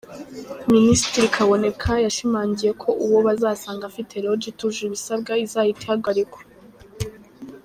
Minisitiri Kaboneka yashimangiye ko uwo bazasanga afite Lodge itujuje ibisabwa izahita ihagarikwa.